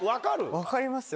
分かりますよ